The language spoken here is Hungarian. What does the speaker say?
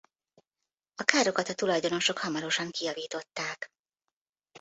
A károkat a tulajdonosok hamarosan kijavították.